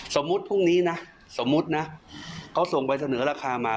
สมมุติพรุ่งนี้นะสมมุตินะเขาส่งใบเสนอราคามา